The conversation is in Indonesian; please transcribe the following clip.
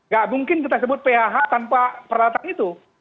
gak mungkin kita sebut phh tanpa peralatan itu